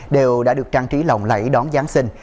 đều đã được trang trí lòng lẫy đón giáng sinh